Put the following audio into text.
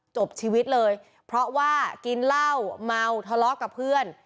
จบชีวิตเลยเพราะว่ากินเหล้าเมาทะเลาะกับเพื่อน